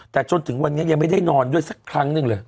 แต่จนถึงวันนี้ยังไม่ได้นอนด้วยสักครั้งหนึ่งเลย